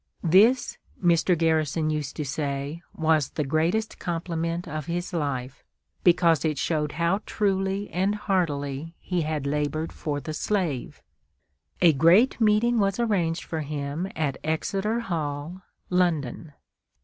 This, Mr. Garrison used to say, was the greatest compliment of his life, because it showed how truly and heartily he had labored for the slave. A great meeting was arranged for him at Exeter Hall, London.